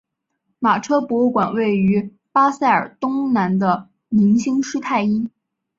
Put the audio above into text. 马车博物馆位于巴塞尔东南的明兴施泰因。